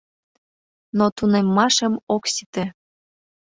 Но тунеммашем ок сите.